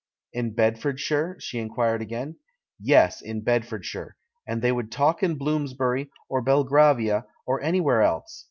"In Bedfordshire?" she inquired again. "Yes, in Bedfordshire — and they would talk in Bloomsbury, or Belgravia, or anywhere else.